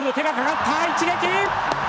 一撃！